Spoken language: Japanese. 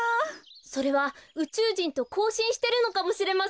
それはうちゅうじんとこうしんしてるのかもしれません。